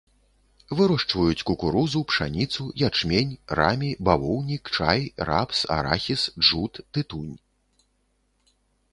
Вырошчваюць кукурузу, пшаніцу, ячмень, рамі, бавоўнік, чай, рапс, арахіс, джут, тытунь.